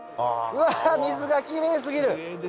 うわ水がきれいすぎる！